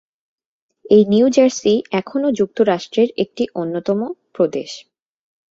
এই New Jersey এখনো যুক্তরাষ্ট্রের একটি অন্যতম প্রদেশ।